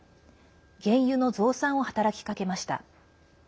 原油の増産を働きかけました。